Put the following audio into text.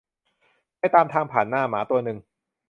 ไปตามทางผ่านหน้าหมาตัวหนึ่ง